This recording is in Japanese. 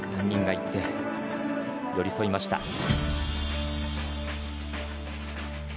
３人が行って寄り添いました。